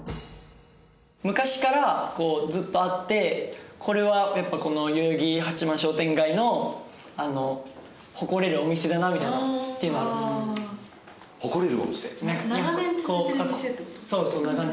昔からこうずっとあってこれはやっぱこの代々木八幡商店街の誇れるお店だなみたいなっていうのはあるんですか？